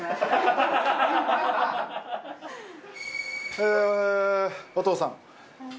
えぇお父さん。